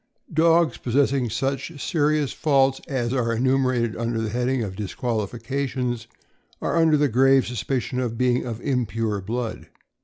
— Dogs possessing such serious faults as are enu merated under the heading of "Disqualifications" are under the grave suspicion of being of impure blood.